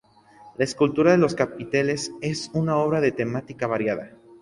La escultura de los capiteles es una obra de temática variada.